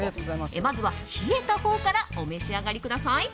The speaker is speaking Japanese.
まずは冷えたほうからお召し上がりください。